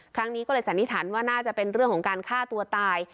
ครั้งนี้ก็เลยสันนิษฐานว่าน่าจะเป็นเรื่องของการฆ่าตัวตาย